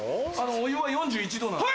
お湯は４１度なんで。